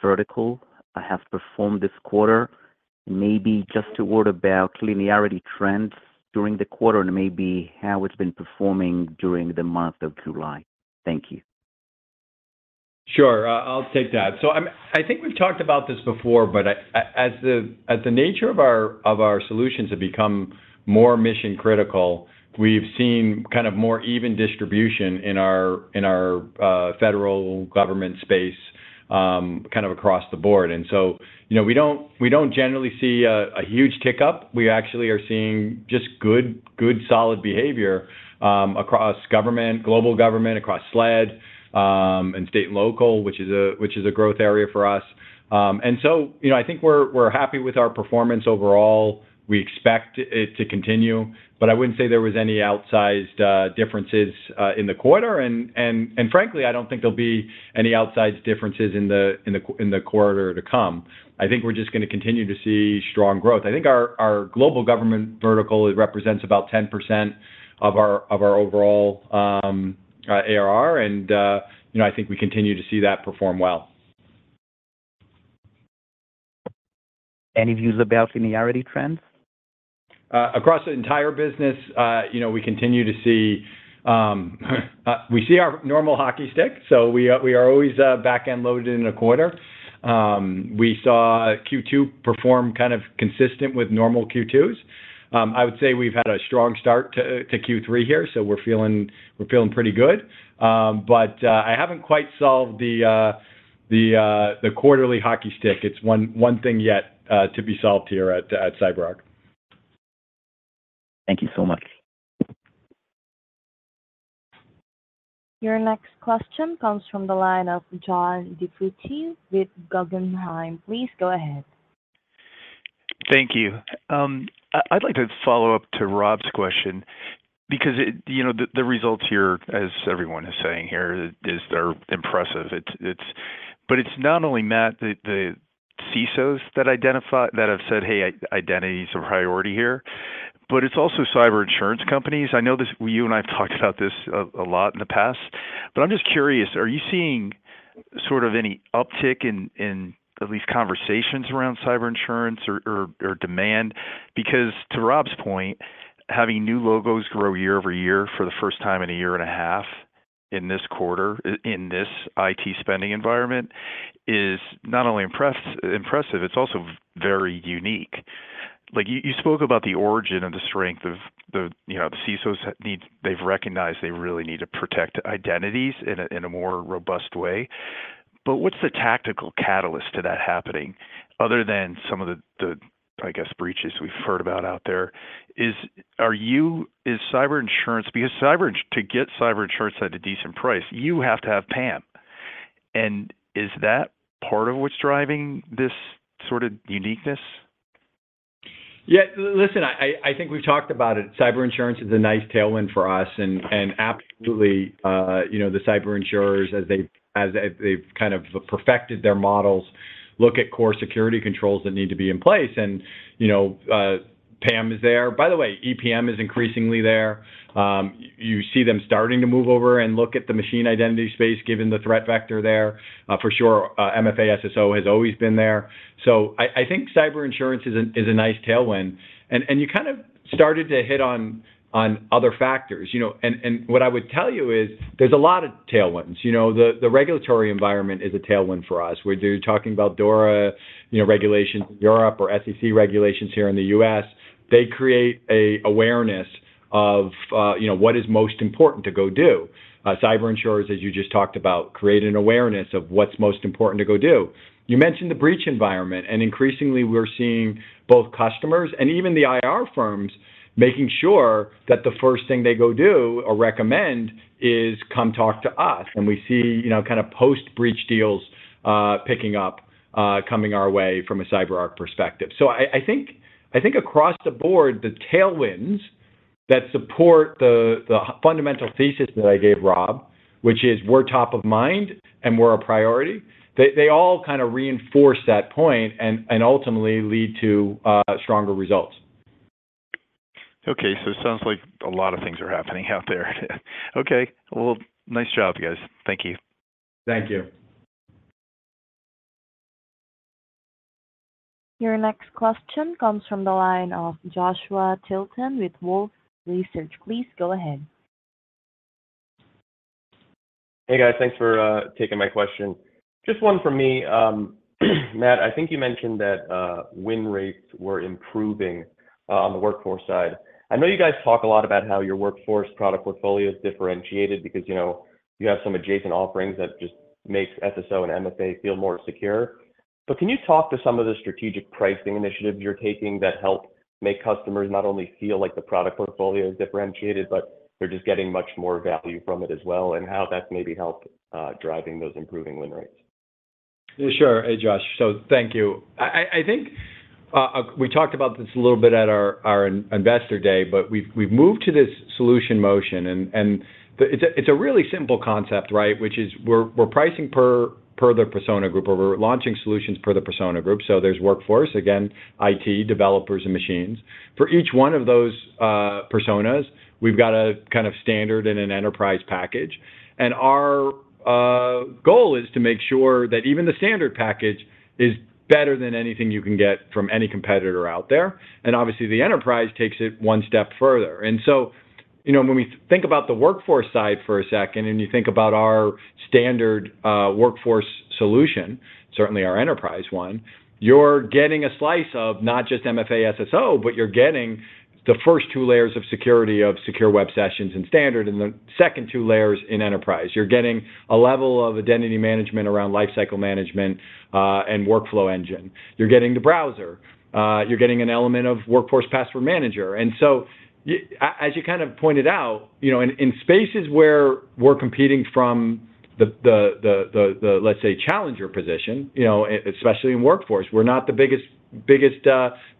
vertical has performed this quarter? Maybe just a word about linearity trends during the quarter and maybe how it's been performing during the month of July. Thank you. Sure. I'll take that. I think we've talked about this before, but I, as the nature of our solutions have become more mission-critical, we've seen kind of more even distribution in our federal government space, kind of across the board. You know, we don't generally see a huge tick up. We actually are seeing just good, good solid behavior across government, global government, across SLED, and state and local, which is a growth area for us. You know, I think we're happy with our performance overall. We expect it to continue, but I wouldn't say there was any outsized differences in the quarter. Frankly, I don't think there'll be any outsized differences in the quarter to come. I think we're just gonna continue to see strong growth. I think our global government vertical, it represents about 10% of our overall ARR, and you know, I think we continue to see that perform well. Any views about linearity trends? Across the entire business, you know, we continue to see, we see our normal hockey stick, so we are, we are always, back-end loaded in a quarter. We saw Q2 perform kind of consistent with normal Q2s. I would say we've had a strong start to Q3 here, so we're feeling, we're feeling pretty good. But I haven't quite solved the quarterly hockey stick. It's one thing yet to be solved here at CyberArk. Thank you so much. Your next question comes from the line of John DiFucci with Guggenheim. Please go ahead. Thank you. I'd like to follow up to Rob's question because it... You know, the results here, as everyone is saying here, are impressive. It's. But it's not only, Matt, the CISOs that have said, "Hey, identity is a priority here," but it's also cyber insurance companies. I know this, you and I have talked about this a lot in the past, but I'm just curious: Are you seeing sort of any uptick in at least conversations around cyber insurance or demand? Because to Rob's point, having new logos grow year-over-year for the first time in a year and a half in this quarter, in this IT spending environment, is not only impressive, it's also very unique. Like, you spoke about the origin and the strength of the, you know, the CISOs need. They've recognized they really need to protect identities in a more robust way. But what's the tactical catalyst to that happening, other than some of the, I guess, breaches we've heard about out there? Is cyber insurance—because to get cyber insurance at a decent price, you have to have PAM. And is that part of what's driving this sort of uniqueness? Yeah, listen, I think we've talked about it. Cyber insurance is a nice tailwind for us, and absolutely, you know, the cyber insurers, as they've kind of perfected their models, look at core security controls that need to be in place. And, you know, PAM is there. By the way, EPM is increasingly there. You see them starting to move over and look at the machine identity space, given the threat vector there. For sure, MFA, SSO has always been there. So I think cyber insurance is a nice tailwind. And you kind of started to hit on other factors, you know. And what I would tell you is, there's a lot of tailwinds. You know, the regulatory environment is a tailwind for us, whether you're talking about DORA, you know, regulations in Europe or SEC regulations here in the US. They create an awareness of, you know, what is most important to go do. Cyber insurers, as you just talked about, create an awareness of what's most important to go do. You mentioned the breach environment, and increasingly we're seeing both customers and even the IR firms making sure that the first thing they go do or recommend is, "Come talk to us." And we see, you know, kind of post-breach deals picking up, coming our way from a CyberArk perspective. I think, I think across the board, the tailwinds that support the fundamental thesis that I gave Rob, which is we're top of mind and we're a priority, they all kind of reinforce that point and ultimately lead to stronger results. Okay, so it sounds like a lot of things are happening out there. Okay, well, nice job, guys. Thank you. Thank you. Your next question comes from the line of Joshua Tilton with Wolfe Research. Please go ahead. Hey, guys. Thanks for taking my question. Just one from me. Matt, I think you mentioned that win rates were improving on the Workforce side. I know you guys talk a lot about how your Workforce product portfolio is differentiated because, you know, you have some adjacent offerings that just makes SSO and MFA feel more secure. But can you talk to some of the strategic pricing initiatives you're taking that help make customers not only feel like the product portfolio is differentiated, but they're just getting much more value from it as well, and how that's maybe helped driving those improving win rates? Sure. Hey, Josh. So thank you. I think we talked about this a little bit at our Investor Day, but we've moved to this solution motion and the... It's a really simple concept, right? Which is we're pricing per the persona group or we're launching solutions per the persona group. So there's Workforce, again, IT, developers, and machines. For each one of those personas, we've got a kind of standard and an enterprise package. And our goal is to make sure that even the standard package is better than anything you can get from any competitor out there. And obviously, the enterprise takes it one step further. And so, you know, when we think about the Workforce side for a second, and you think about our standard Workforce solution, certainly our enterprise one, you're getting a slice of not just MFA SSO, but you're getting the first two layers of security of Secure Web Sessions in standard and the second two layers in enterprise. You're getting a level of identity management around lifecycle management and workflow engine. You're getting the browser, you're getting an element of Workforce Password Manager. And so as you kind of pointed out, you know, in spaces where we're competing from the, let's say, challenger position, you know, especially in Workforce, we're not the biggest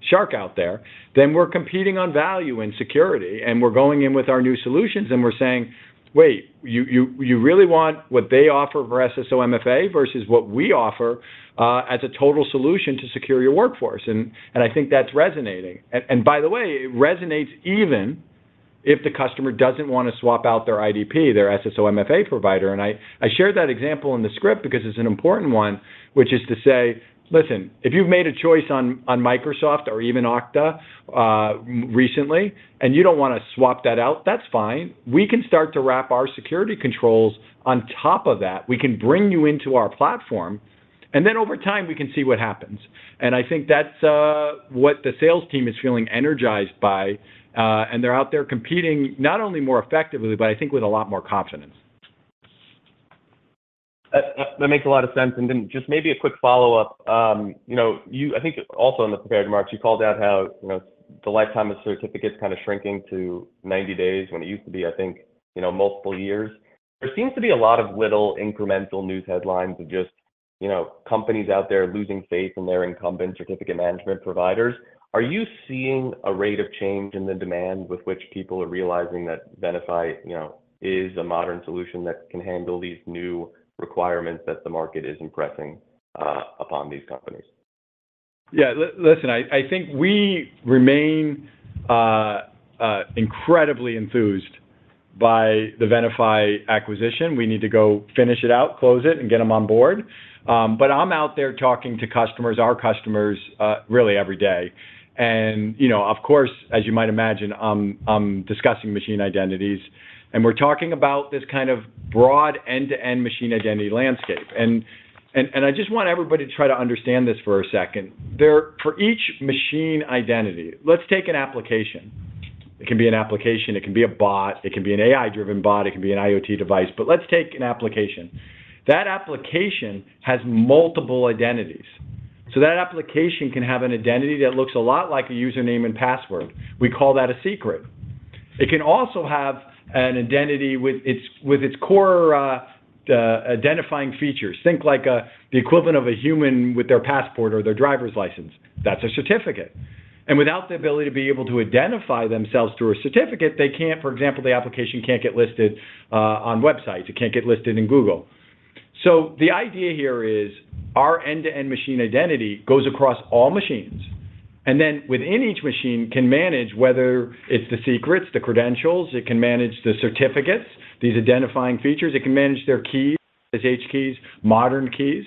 shark out there, then we're competing on value and security, and we're going in with our new solutions, and we're saying, "Wait, you really want what they offer for SSO MFA versus what we offer as a total solution to secure your workforce?" And I think that's resonating. And by the way, it resonates even if the customer doesn't wanna swap out their IdP, their SSO MFA provider. And I shared that example in the script because it's an important one, which is to say, "Listen, if you've made a choice on Microsoft or even Okta recently, and you don't wanna swap that out, that's fine. We can start to wrap our security controls on top of that. We can bring you into our platform, and then over time, we can see what happens." And I think that's what the sales team is feeling energized by, and they're out there competing, not only more effectively, but I think with a lot more confidence. That makes a lot of sense. And then just maybe a quick follow-up, you know, I think also in the prepared remarks, you called out how, you know, the lifetime of certificates kinda shrinking to 90 days when it used to be, I think, you know, multiple years. There seems to be a lot of little incremental news headlines of just, you know, companies out there losing faith in their incumbent certificate management providers. Are you seeing a rate of change in the demand with which people are realizing that Venafi, you know, is a modern solution that can handle these new requirements that the market is impressing upon these companies? Yeah. Listen, I think we remain incredibly enthused by the Venafi acquisition. We need to go finish it out, close it, and get them on board. But I'm out there talking to customers, our customers really every day. And, you know, of course, as you might imagine, I'm discussing machine identities, and we're talking about this kind of broad end-to-end machine identity landscape. And I just want everybody to try to understand this for a second. For each machine identity... Let's take an application. It can be an application, it can be a bot, it can be an AI-driven bot, it can be an IoT device, but let's take an application. That application has multiple identities. So that application can have an identity that looks a lot like a username and password. We call that a secret. It can also have an identity with its, with its core identifying features. Think like, the equivalent of a human with their passport or their driver's license. That's a certificate. And without the ability to be able to identify themselves through a certificate, they can't, for example, the application can't get listed on websites, it can't get listed in Google. So the idea here is, our end-to-end machine identity goes across all machines, and then within each machine can manage whether it's the secrets, the credentials, it can manage the certificates, these identifying features, it can manage their keys, SSH keys, modern keys.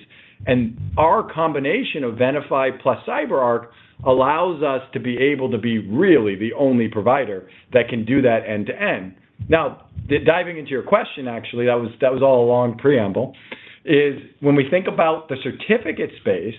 And our combination of Venafi plus CyberArk allows us to be able to be really the only provider that can do that end to end. Now, diving into your question, actually, that was, that was all a long preamble, is when we think about the certificate space.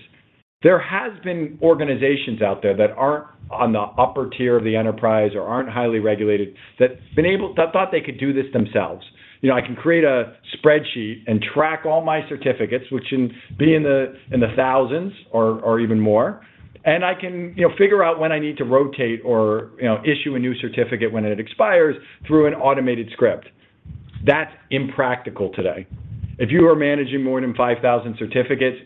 There has been organizations out there that aren't on the upper tier of the enterprise or aren't highly regulated, that's been able—that thought they could do this themselves. You know, I can create a spreadsheet and track all my certificates, which can be in the thousands or even more, and I can, you know, figure out when I need to rotate or, you know, issue a new certificate when it expires through an automated script. That's impractical today. If you are managing more than 5,000 certificates,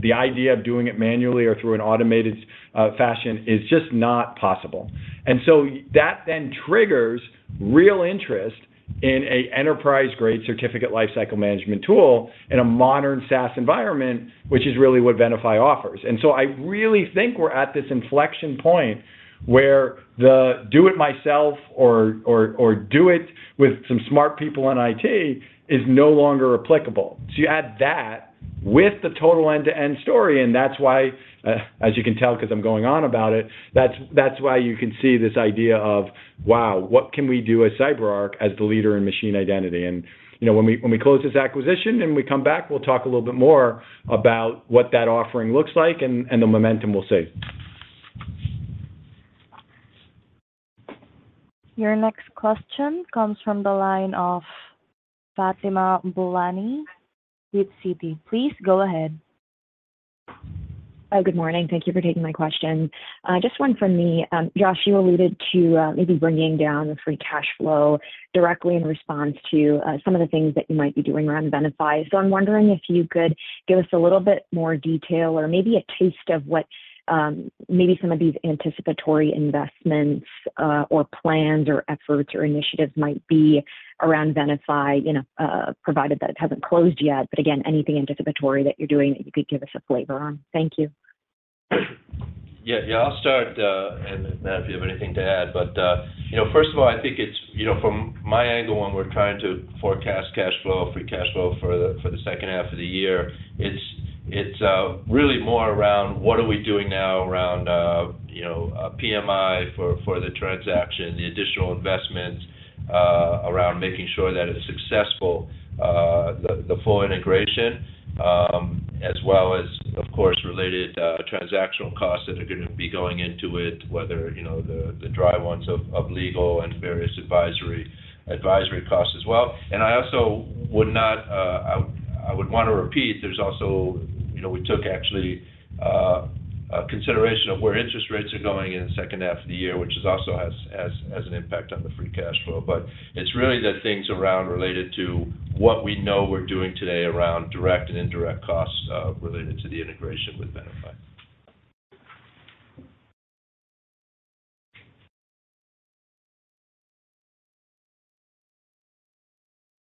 the idea of doing it manually or through an automated fashion is just not possible. And so that then triggers real interest in an enterprise-grade certificate lifecycle management tool in a modern SaaS environment, which is really what Venafi offers. And so I really think we're at this inflection point where the do it myself or do it with some smart people in IT is no longer applicable. So you add that with the total end-to-end story, and that's why, as you can tell, 'cause I'm going on about it, that's why you can see this idea of, wow, what can we do at CyberArk as the leader in machine identity. And, you know, when we close this acquisition and we come back, we'll talk a little bit more about what that offering looks like and the momentum we'll see. Your next question comes from the line of Fatima Boolani with Citi. Please go ahead. Hi, good morning. Thank you for taking my question. Just one from me. Josh, you alluded to, maybe bringing down the free cash flow directly in response to, some of the things that you might be doing around Venafi. So I'm wondering if you could give us a little bit more detail or maybe a taste of what, maybe some of these anticipatory investments, or plans, or efforts, or initiatives might be around Venafi, you know, provided that it hasn't closed yet. But again, anything anticipatory that you're doing, that you could give us a flavor on. Thank you. Yeah, yeah. I'll start, and Matt, if you have anything to add. But, you know, first of all, I think it's, you know, from my angle, when we're trying to forecast cash flow, free cash flow for the second half of the year, it's really more around what are we doing now around, you know, PMI for the transaction, the additional investments, around making sure that it's successful, the full integration, as well as, of course, related transactional costs that are gonna be going into it, whether, you know, the dry ones of legal and various advisory costs as well. I would want to repeat, there's also, you know, we took actually a consideration of where interest rates are going in the second half of the year, which also has an impact on the free cash flow. But it's really the things around related to what we know we're doing today around direct and indirect costs related to the integration with Venafi.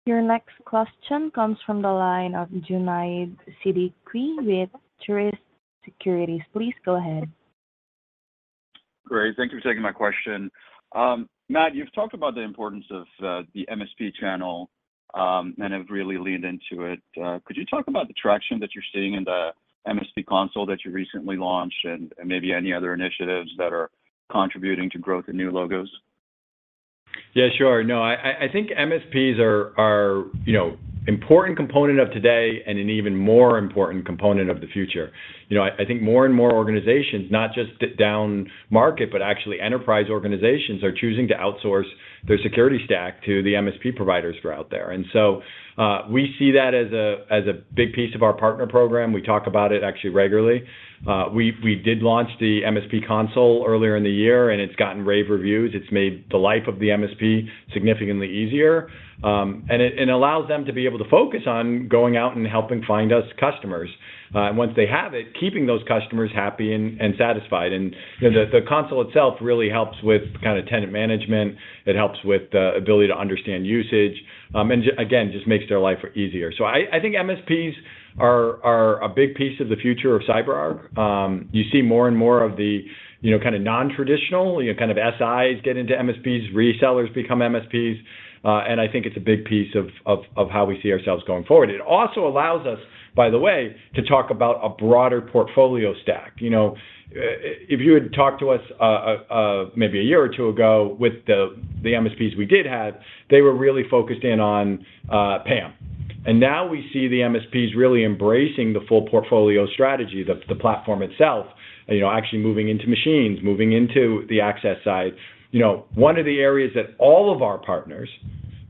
Your next question comes from the line of Junaid Siddiqui with Truist Securities. Please go ahead. Great. Thank you for taking my question. Matt, you've talked about the importance of the MSP channel, and have really leaned into it. Could you talk about the traction that you're seeing in the MSP Console that you recently launched and maybe any other initiatives that are contributing to growth in new logos? Yeah, sure. I think MSPs are, you know, important component of today and an even more important component of the future. You know, I think more and more organizations, not just down market, but actually enterprise organizations, are choosing to outsource their security stack to the MSP providers who are out there. And so, we see that as a big piece of our partner program. We talk about it actually regularly. We did launch the MSP Console earlier in the year, and it's gotten rave reviews. It's made the life of the MSP significantly easier, and allows them to be able to focus on going out and helping find us customers. And once they have it, keeping those customers happy and satisfied. You know, the console itself really helps with kind of tenant management, it helps with the ability to understand usage, and again, just makes their life easier. So I think MSPs are a big piece of the future of CyberArk. You see more and more of the, you know, kind of nontraditional, you know, kind of SIs get into MSPs, resellers become MSPs, and I think it's a big piece of how we see ourselves going forward. It also allows us, by the way, to talk about a broader portfolio stack. You know, if you had talked to us maybe a year or two ago with the MSPs we did have, they were really focused in on PAM. And now we see the MSPs really embracing the full portfolio strategy, the platform itself, and, you know, actually moving into machines, moving into the access side. You know, one of the areas that all of our partners,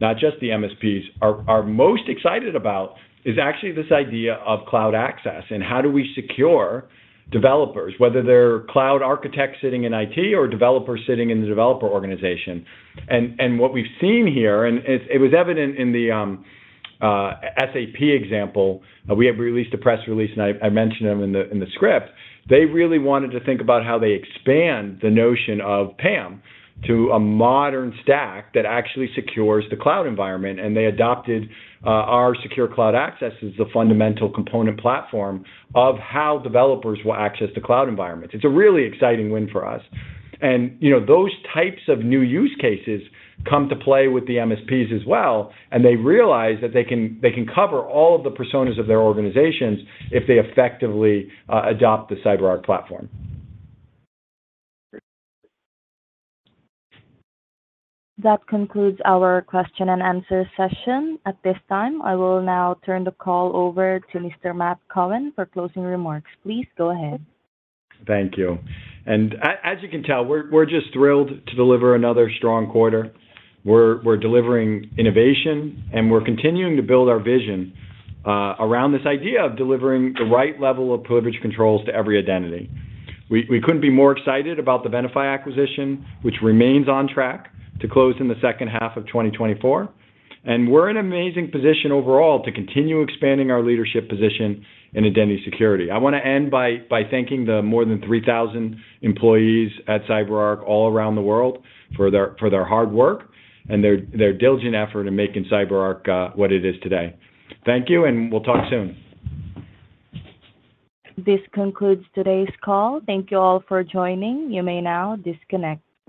not just the MSPs, are most excited about is actually this idea of cloud access, and how do we secure developers, whether they're cloud architects sitting in IT or developers sitting in the developer organization. What we've seen here, and it was evident in the SAP example, we have released a press release, and I mentioned them in the script. They really wanted to think about how they expand the notion of PAM to a modern stack that actually secures the cloud environment, and they adopted our Secure Cloud Access as the fundamental component platform of how developers will access the cloud environment. It's a really exciting win for us. You know, those types of new use cases come to play with the MSPs as well, and they realize that they can cover all of the personas of their organizations if they effectively adopt the CyberArk platform. That concludes our question-and-answer session. At this time, I will now turn the call over to Mr. Matt Cohen for closing remarks. Please go ahead. Thank you. And as you can tell, we're just thrilled to deliver another strong quarter. We're delivering innovation, and we're continuing to build our vision around this idea of delivering the right level of privilege controls to every identity. We couldn't be more excited about the Venafi acquisition, which remains on track to close in the second half of 2024, and we're in an amazing position overall to continue expanding our leadership position in identity security. I wanna end by thanking the more than 3,000 employees at CyberArk all around the world for their hard work and their diligent effort in making CyberArk what it is today. Thank you, and we'll talk soon. This concludes today's call. Thank you all for joining. You may now disconnect.